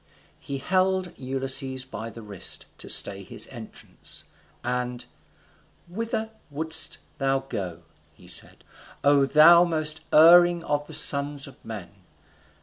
He held Ulysses by the wrist, to stay his entrance; and "Whither wouldest thou go?" he said, "O thou most erring of the sons of men!